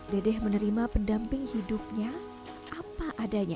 dedeh menerima pendamping hidupnya apa adanya